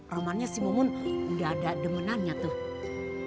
romannya si mumun nggak ada demenannya tuh